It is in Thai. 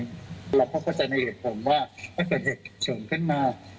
เราก็เข้าใจในเหตุผลว่าถ้าเกิดเหตุเฉินขึ้นมา